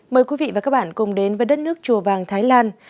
mời quý vị và các bạn cùng đến với đất nước chùa vàng thái lan